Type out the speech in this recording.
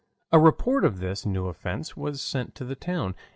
A report of this new offense was sent to the town.